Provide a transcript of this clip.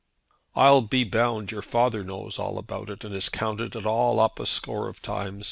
I'll be bound your father knows all about it, and has counted it all up a score of times.